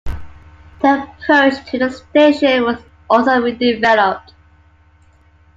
The approach to the station was also redeveloped.